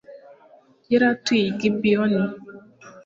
yari atuye i Gibeyoni